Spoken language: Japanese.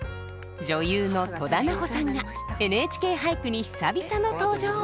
女優の戸田菜穂さんが「ＮＨＫ俳句」に久々の登場。